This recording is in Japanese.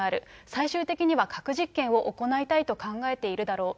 最終的には核実験を行いたいと考えているだろう。